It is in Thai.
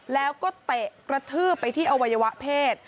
แล้วก็เตะกระทืบไปที่อวัยวะเพศ